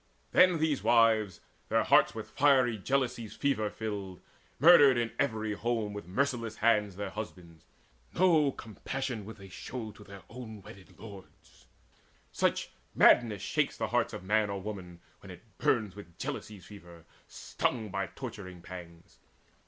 Then these wives, Their hearts with fiery jealousy's fever filled, Murdered in every home with merciless hands Their husbands: no compassion would they show To their own wedded lords such madness shakes The heart of man or woman, when it burns With jealousy's fever, stung by torturing pangs.